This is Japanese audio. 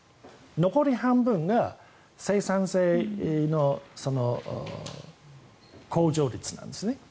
残り半分が生産性の向上率なんですね。